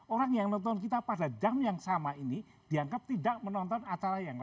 orang yang nonton kita pada jam yang sama ini dianggap tidak menonton acara yang lain